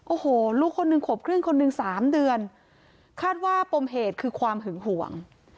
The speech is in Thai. โอ้โหลูกคนหนึ่งขวบครึ่งคนหนึ่งสามเดือนคาดว่าปมเหตุคือความหึงห่วง